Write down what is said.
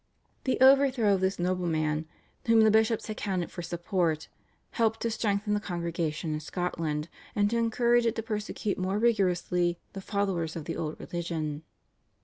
The overthrow of this nobleman, on whom the bishops had counted for support, helped to strengthen the Congregation in Scotland, and to encourage it to persecute more rigorously the followers of the old religion.